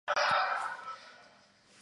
狄公的原型是唐朝政治家狄仁杰。